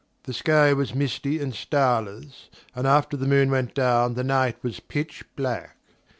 The sky was misty and starless, and after the moon went down the night was pitch black.